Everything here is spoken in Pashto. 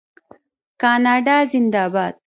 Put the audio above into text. کاناډا زنده باد.